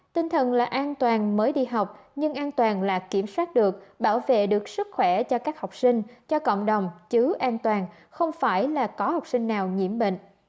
tinh thần là an toàn mới đi học nhưng an toàn là kiểm soát được bảo vệ được sức khỏe cho các học sinh cho cộng đồng chứ an toàn không phải là có học sinh nào nhiễm bệnh